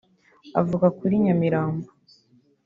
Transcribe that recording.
Avuga kuri Nyamirambo